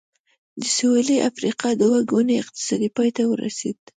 د سوېلي افریقا دوه ګونی اقتصاد پای ته ورسېد.